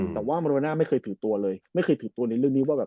แต่ว่ามาโรน่าไม่เคยถือตัวเลยไม่เคยถือตัวในเรื่องนี้ว่าแบบ